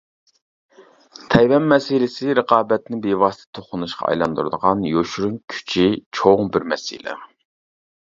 تەيۋەن مەسىلىسى رىقابەتنى بىۋاسىتە توقۇنۇشقا ئايلاندۇرىدىغان يوشۇرۇن كۈچى چوڭ بىر مەسىلە.